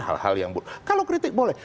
hal hal yang kalau kritik boleh